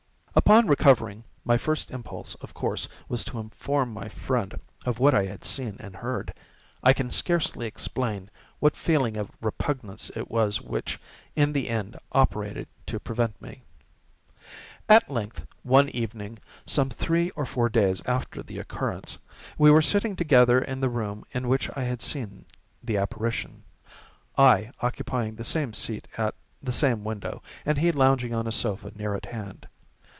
Upon recovering, my first impulse, of course, was to inform my friend of what I had seen and heard—and I can scarcely explain what feeling of repugnance it was which, in the end, operated to prevent me. At length, one evening, some three or four days after the occurrence, we were sitting together in the room in which I had seen the apparition—I occupying the same seat at the same window, and he lounging on a sofa near at hand.